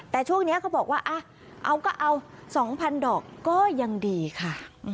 แต่ช่วงนี้เขาบอกว่าเอาก็เอา๒๐๐ดอกก็ยังดีค่ะ